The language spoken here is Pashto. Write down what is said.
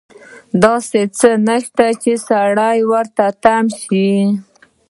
داسې څه نشته چې سړی ورته تم شي.